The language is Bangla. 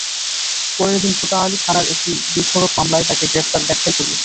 পরের দিন কোতোয়ালি থানার একটি বিস্ফোরক মামলায় তাঁকে গ্রেপ্তার দেখায় পুলিশ।